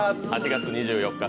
８月２４日